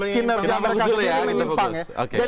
kinerja mereka sendiri menyimpang ya